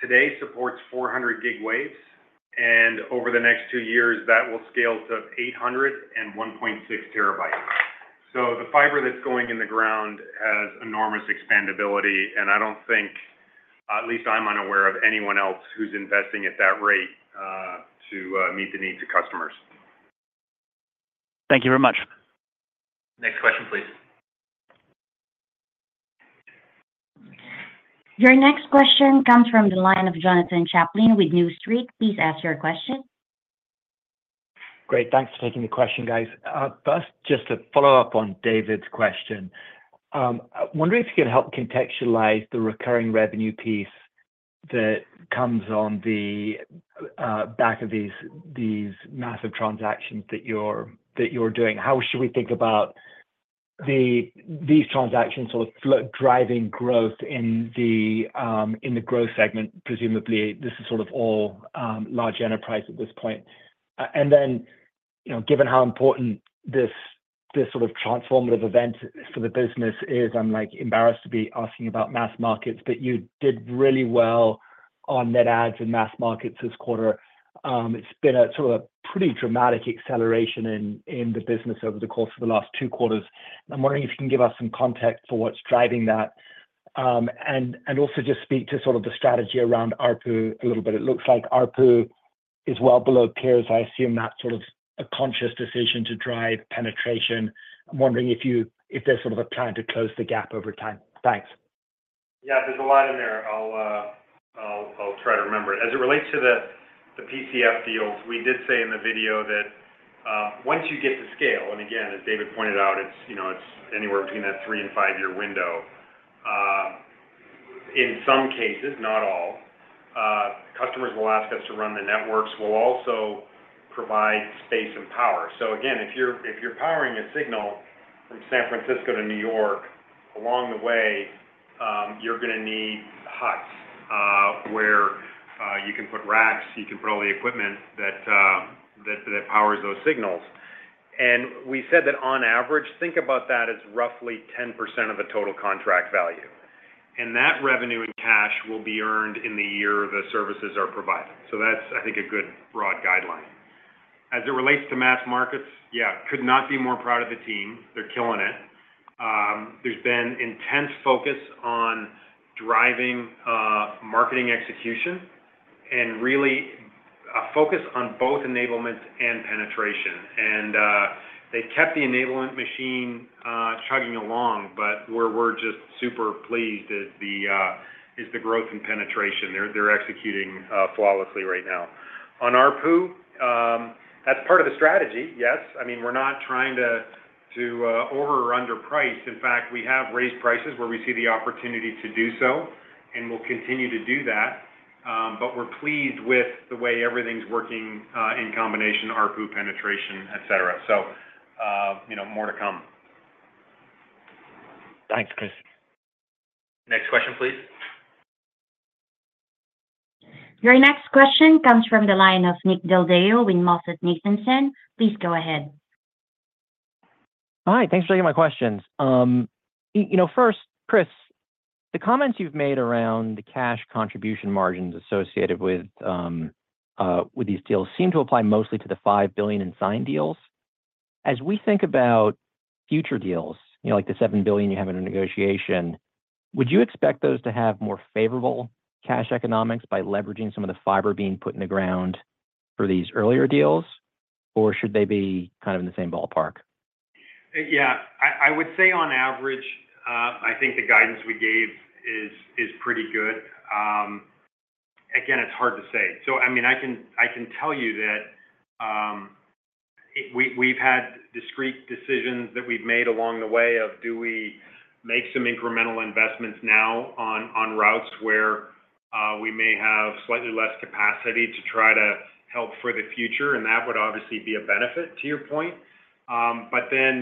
S4: today supports 400 gig waves, and over the next 2 years, that will scale to 800 and 1.6T. So the fiber that's going in the ground has enormous expandability, and I don't think, at least I'm unaware of anyone else who's investing at that rate, to meet the needs of customers.
S9: Thank you very much.
S2: Next question, please.
S1: Your next question comes from the line of Jonathan Chaplin with New Street. Please ask your question.
S10: Great. Thanks for taking the question, guys. First, just to follow up on David's question, I wonder if you could help contextualize the recurring revenue piece?... that comes on the back of these massive transactions that you're doing. How should we think about these transactions sort of driving growth in the growth segment? Presumably, this is sort of all large enterprise at this point. And then, you know, given how important this sort of transformative event for the business is, I'm like embarrassed to be asking about mass markets, but you did really well on net adds in mass markets this quarter. It's been a sort of a pretty dramatic acceleration in the business over the course of the last two quarters. I'm wondering if you can give us some context for what's driving that. And also just speak to sort of the strategy around ARPU a little bit. It looks like ARPU is well below peers. I assume that's sort of a conscious decision to drive penetration. I'm wondering if there's sort of a plan to close the gap over time? Thanks.
S4: Yeah, there's a lot in there. I'll try to remember. As it relates to the PCF deals, we did say in the video that once you get to scale, and again, as David pointed out, it's, you know, it's anywhere between a three-and-five-year window. In some cases, not all, customers will ask us to run the networks. We'll also provide space and power. So again, if you're powering a signal from San Francisco to New York, along the way, you're gonna need huts where you can put racks, you can put all the equipment that powers those signals. And we said that on average, think about that as roughly 10% of the total contract value, and that revenue in cash will be earned in the year the services are provided. So that's, I think, a good broad guideline. As it relates to Mass Markets, yeah, could not be more proud of the team. They're killing it. There's been intense focus on driving marketing execution and really a focus on both enablement and penetration. And they kept the enablement machine chugging along, but we're just super pleased at the growth in penetration. They're executing flawlessly right now. On ARPU, that's part of the strategy, yes. I mean, we're not trying to over or underprice. In fact, we have raised prices where we see the opportunity to do so, and we'll continue to do that. But we're pleased with the way everything's working in combination, ARPU, penetration, et cetera. So, you know, more to come.
S10: Thanks, Chris.
S2: Next question, please.
S1: Your next question comes from the line of Nick Del Deo with MoffettNathanson. Please go ahead.
S11: Hi, thanks for taking my questions. You know, first, Chris, the comments you've made around the cash contribution margins associated with these deals seem to apply mostly to the $5 billion in signed deals. As we think about future deals, you know, like the $7 billion you have in a negotiation, would you expect those to have more favorable cash economics by leveraging some of the fiber being put in the ground for these earlier deals? Or should they be kind of in the same ballpark?
S4: Yeah, I would say on average, I think the guidance we gave is pretty good. Again, it's hard to say. So I mean, I can tell you that, we’ve had discrete decisions that we’ve made along the way of, do we make some incremental investments now on routes where we may have slightly less capacity to try to help for the future, and that would obviously be a benefit to your point. But then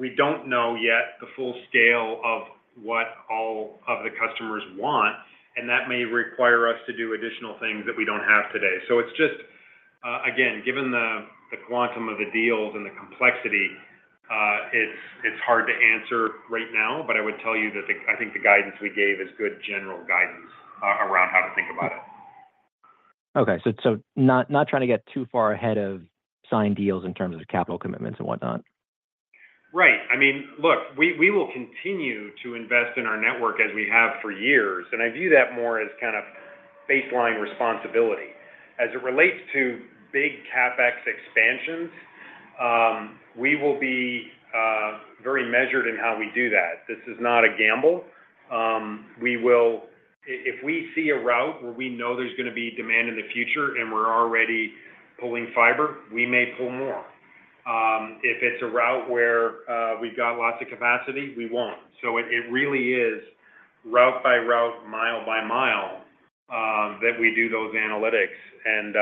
S4: we don't know yet the full scale of what all of the customers want, and that may require us to do additional things that we don't have today. So it's just, again, given the quantum of the deals and the complexity, it's hard to answer right now, but I would tell you that, I think, the guidance we gave is good general guidance around how to think about it.
S11: Okay. So not trying to get too far ahead of signed deals in terms of capital commitments and whatnot.
S4: Right. I mean, look, we will continue to invest in our network as we have for years, and I view that more as kind of baseline responsibility. As it relates to big CapEx expansions, we will be very measured in how we do that. This is not a gamble. We will if we see a route where we know there's gonna be demand in the future and we're already pulling fiber, we may pull more. If it's a route where we've got lots of capacity, we won't. So it really is route by route, mile by mile that we do those analytics, and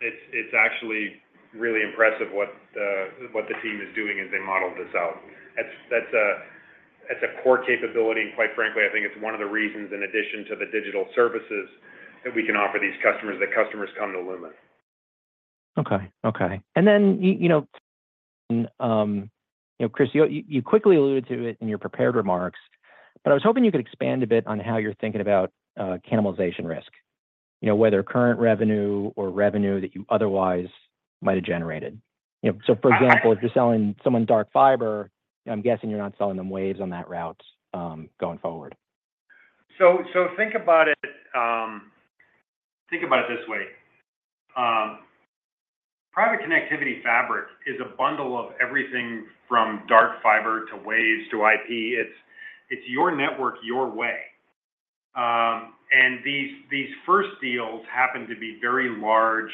S4: it's actually really impressive what the team is doing as they model this out. That's a core capability, and quite frankly, I think it's one of the reasons, in addition to the digital services, that we can offer these customers, that customers come to Lumen.
S11: Okay, okay. And then, you know, you know, Chris, you quickly alluded to it in your prepared remarks, but I was hoping you could expand a bit on how you're thinking about cannibalization risk. You know, whether current revenue or revenue that you otherwise might have generated. You know, so for example, if you're selling someone dark fiber, I'm guessing you're not selling them waves on that route, going forward.
S4: So, think about it this way. Private Connectivity Fabric is a bundle of everything from dark fiber to Waves to IP. It's, it's your network, your way. And these first deals happen to be very large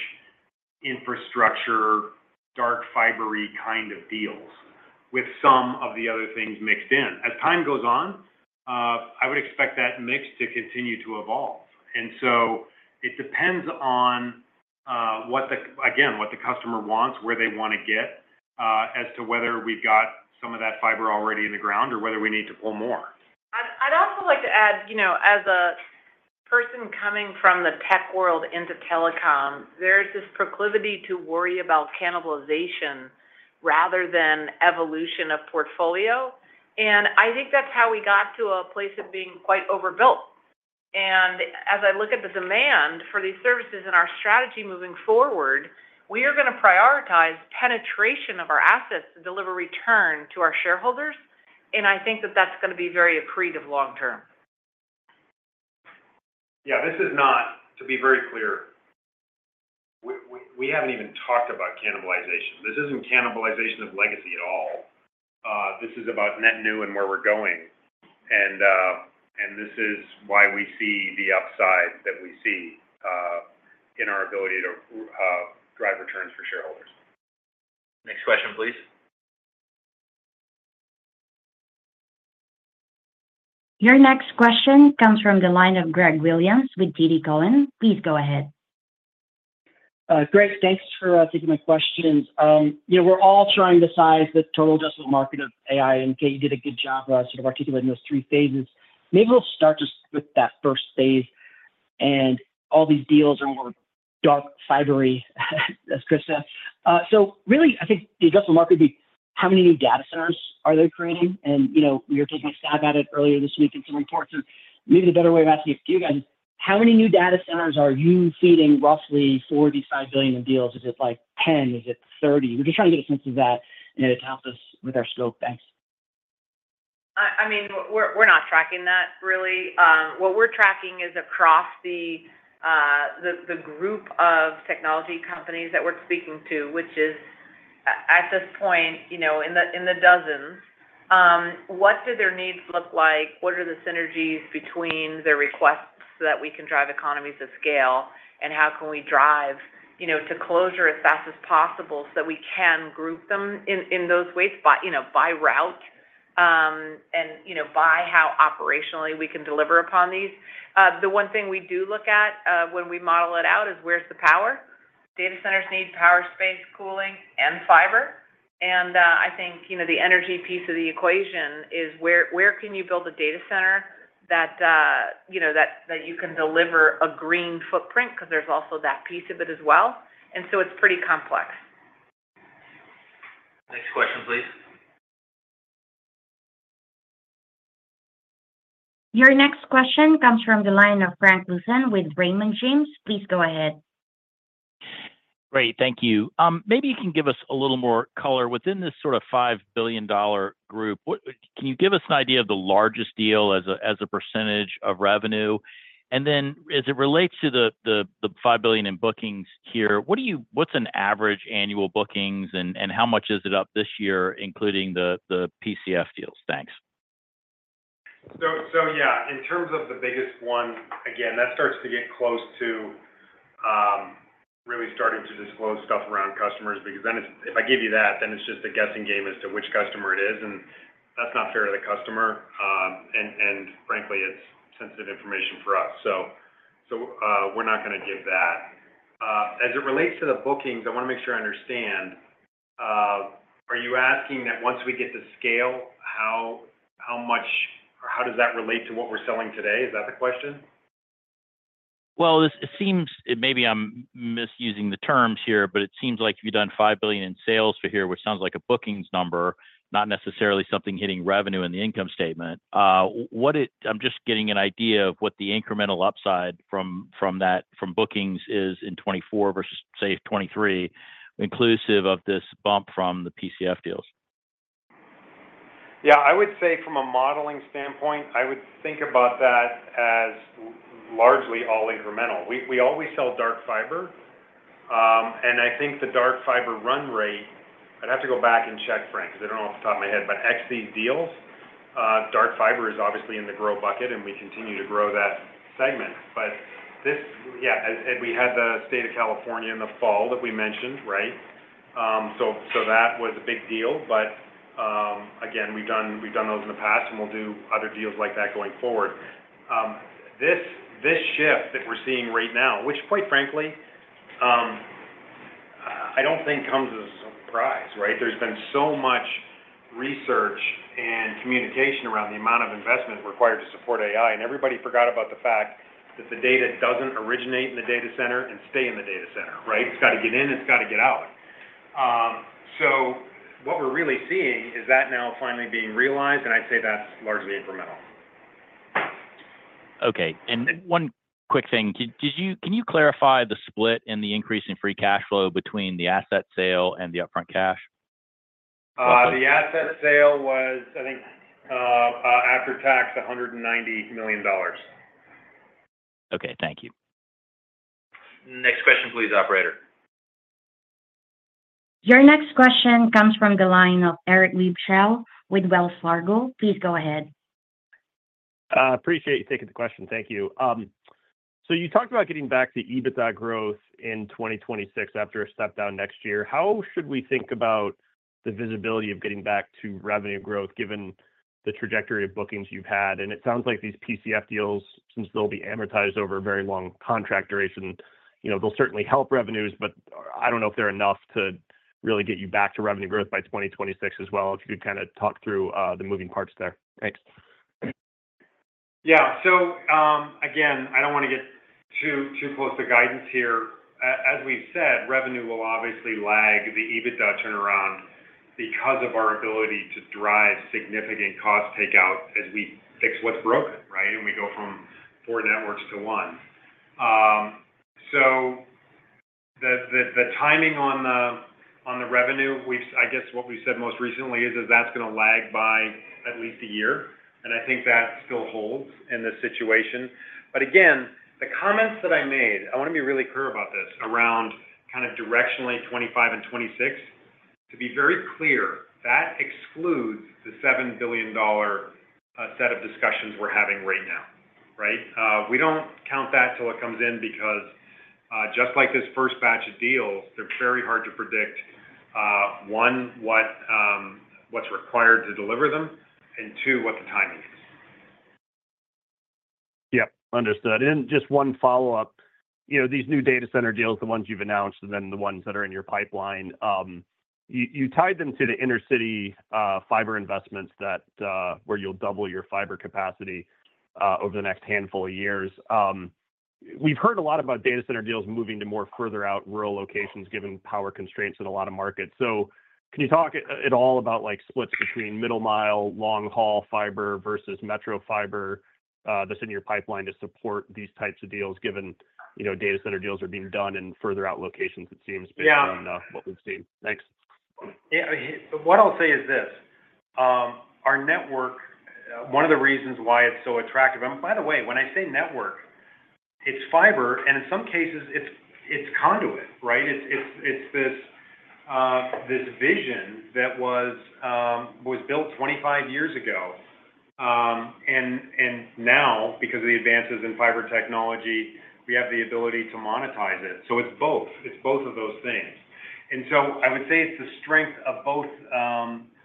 S4: infrastructure, dark fiber kind of deals, with some of the other things mixed in. As time goes on, I would expect that mix to continue to evolve. And so it depends on, again, what the customer wants, where they want to get, as to whether we've got some of that fiber already in the ground or whether we need to pull more.
S3: I'd also like to add, you know, as a person coming from the tech world into telecom, there's this proclivity to worry about cannibalization rather than evolution of portfolio. I think that's how we got to a place of being quite overbuilt. As I look at the demand for these services and our strategy moving forward, we are going to prioritize penetration of our assets to deliver return to our shareholders, and I think that that's going to be very accretive long term.
S4: Yeah, this is not, to be very clear, we haven't even talked about cannibalization. This isn't cannibalization of legacy at all. This is about net new and where we're going. And this is why we see the upside that we see in our ability to drive returns for shareholders.
S2: Next question, please.
S1: Your next question comes from the line of Greg Williams with TD Cowen. Please go ahead.
S12: Greg, thanks for taking my questions. You know, we're all trying to size the total addressable market of AI, and, Kate, you did a good job sort of articulating those three phases. Maybe we'll start just with that first phase and all these deals are more dark fiber-y, as Chris said. So really, I think the addressable market is how many new data centers are they creating? And, you know, we took a stab at it earlier this week in some reports. Maybe a better way of asking it to you guys, how many new data centers are you seeding roughly for these $5 billion in deals? Is it like 10? Is it 30? We're just trying to get a sense of that, and it helps us with our scope. Thanks.
S3: I mean, we're not tracking that really. What we're tracking is across the group of technology companies that we're speaking to, which is at this point, you know, in the dozens. What do their needs look like? What are the synergies between their requests so that we can drive economies of scale? And how can we drive, you know, to closure as fast as possible so that we can group them in those ways by, you know, by route, and you know, by how operationally we can deliver upon these. The one thing we do look at, when we model it out, is where's the power? Data centers need power, space, cooling, and fiber. I think, you know, the energy piece of the equation is where you can build a data center that you know that you can deliver a green footprint? Because there's also that piece of it as well. So it's pretty complex.
S2: Next question, please.
S1: Your next question comes from the line of Frank Louthan with Raymond James. Please go ahead.
S13: Great, thank you. Maybe you can give us a little more color. Within this sort of $5 billion group, what can you give us an idea of the largest deal as a percentage of revenue? And then as it relates to the $5 billion in bookings here, what's an average annual bookings, and how much is it up this year, including the PCF deals? Thanks.
S4: So yeah, in terms of the biggest one, again, that starts to get close to really starting to disclose stuff around customers, because then it's, if I give you that, then it's just a guessing game as to which customer it is, and that's not fair to the customer. And frankly, it's sensitive information for us. So we're not going to give that. As it relates to the bookings, I want to make sure I understand. Are you asking that once we get to scale, how much, or how does that relate to what we're selling today? Is that the question?
S13: Well, it seems, maybe I'm misusing the terms here, but it seems like if you've done $5 billion in sales for here, which sounds like a bookings number, not necessarily something hitting revenue in the income statement. I'm just getting an idea of what the incremental upside from, from that, from bookings is in 2024 versus, say, 2023, inclusive of this bump from the PCF deals.
S4: Yeah, I would say from a modeling standpoint, I would think about that as largely all incremental. We always sell dark fiber, and I think the dark fiber run rate, I'd have to go back and check, Frank, because I don't know off the top of my head. But these deals, dark fiber is obviously in the Grow bucket, and we continue to grow that segment. But this, yeah, and we had the State of California in the fall that we mentioned, right? So that was a big deal. But again, we've done those in the past, and we'll do other deals like that going forward. This shift that we're seeing right now, which quite frankly, I don't think comes as a surprise, right? There's been so much research and communication around the amount of investment required to support AI, and everybody forgot about the fact that the data doesn't originate in the data center and stay in the data center, right? It's got to get in, it's got to get out. So what we're really seeing is that now finally being realized, and I'd say that's largely incremental.
S13: Okay. And one quick thing. Did you—can you clarify the split in the increase in free cash flow between the asset sale and the upfront cash?
S4: The asset sale was, I think, after tax, $190 million.
S13: Okay, thank you.
S2: Next question, please, operator.
S1: Your next question comes from the line of Eric Luebchow with Wells Fargo. Please go ahead.
S14: Appreciate you taking the question. Thank you. So you talked about getting back to EBITDA growth in 2026 after a step down next year. How should we think about the visibility of getting back to revenue growth, given the trajectory of bookings you've had? And it sounds like these PCF deals, since they'll be amortized over a very long contract duration, you know, they'll certainly help revenues, but I don't know if they're enough to really get you back to revenue growth by 2026 as well? If you could kind of talk through the moving parts there. Thanks.
S4: Yeah. So, again, I don't want to get too close to guidance here. As we've said, revenue will obviously lag the EBITDA turnaround because of our ability to drive significant cost takeout as we fix what's broken, right? And we go from four networks to one. So the timing on the revenue. I guess what we said most recently is that that's going to lag by at least a year, and I think that still holds in this situation. But again, the comments that I made, I want to be really clear about this, around kind of directionally 2025 and 2026. To be very clear, that excludes the $7 billion set of discussions we're having right now, right? We don't count that till it comes in, because just like this first batch of deals, they're very hard to predict. One, what's required to deliver them, and two, what the timing is.
S14: Yep, understood. Just one follow-up. You know, these new data center deals, the ones you've announced, and then the ones that are in your pipeline, you tied them to the intercity fiber investments that where you'll double your fiber capacity over the next handful of years. We've heard a lot about data center deals moving to more further out rural locations, given power constraints in a lot of markets. Can you talk at all about, like, splits between middle mile, long haul fiber versus metro fiber, that's in your pipeline to support these types of deals, given, you know, data center deals are being done in further out locations, it seems-
S4: Yeah
S14: -based on what we've seen. Thanks.
S4: Yeah, what I'll say is this, our network, one of the reasons why it's so attractive. And by the way, when I say network, it's fiber, and in some cases, it's this, this vision that was built 25 years ago. And now, because of the advances in fiber technology, we have the ability to monetize it. So it's both. It's both of those things. And so I would say it's the strength of both,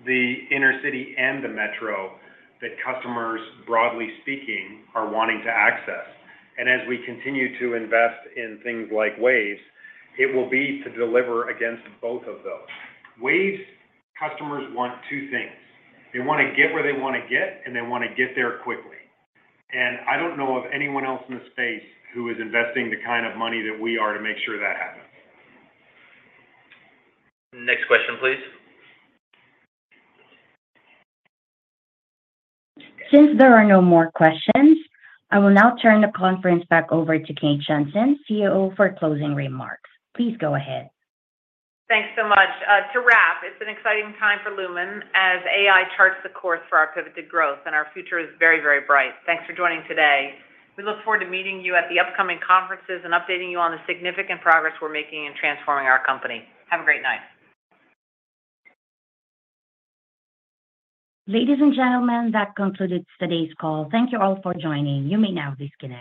S4: the inter city and the metro that customers, broadly speaking, are wanting to access. And as we continue to invest in things like Waves, it will be to deliver against both of those. Waves customers want two things. They want to get where they want to get, and they want to get there quickly. I don't know of anyone else in the space who is investing the kind of money that we are to make sure that happens.
S2: Next question, please.
S1: Since there are no more questions, I will now turn the conference back over to Kate Johnson, CEO, for closing remarks. Please go ahead.
S3: Thanks so much. To wrap, it's an exciting time for Lumen as AI charts the course for our pivoted growth, and our future is very, very bright. Thanks for joining today. We look forward to meeting you at the upcoming conferences and updating you on the significant progress we're making in transforming our company. Have a great night.
S1: Ladies and gentlemen, that concludes today's call. Thank you all for joining. You may now disconnect.